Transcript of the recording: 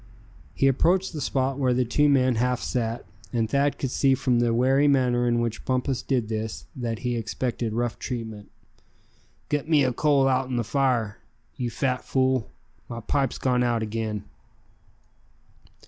He approached the spot where the two men half sat; and Thad could see from the wary manner in which Bumpus did this that he expected rough treatment. "Git me a coal outen the fire, you fat fool; my pipe's gone out again!"